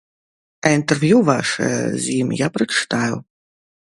А інтэрв'ю вашае з ім я прачытаю.